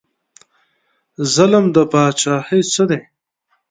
ظلم د پاچاهۍ څه دی؟